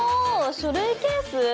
書類ケース？